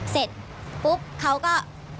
เสร็จปุ๊บเขาก็